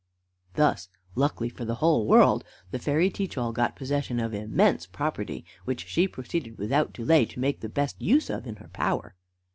Thus, luckily for the whole world, the fairy Teach all got possession of immense property, which she proceeded without delay to make the best use of in her power.